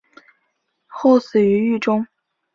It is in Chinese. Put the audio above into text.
后死于狱中。